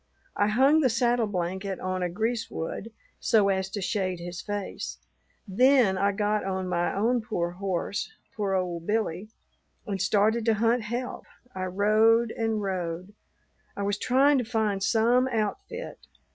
I hung the saddle blanket on a greasewood so as to shade his face; then I got on my own poor horse, poor old Billy, and started to hunt help. I rode and rode. I was tryin' to find some outfit.